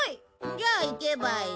じゃあ行けばいい。